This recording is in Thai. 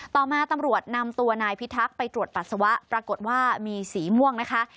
ต่อมาตำรวจนำตัวนายพิทักษ์ไปตรวจปัสสาวะปรากฏว่ามีสีม่วงนะคะ